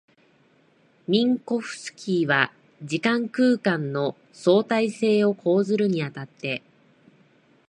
ミンコフスキーは時間空間の相対性を講ずるに当たって、